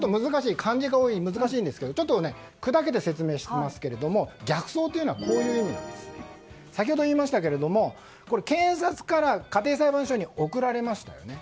漢字が多くて難しいんですがくだけて説明しますと逆送というのは先ほど言いましたけど警察から家庭裁判所に送られましたよね。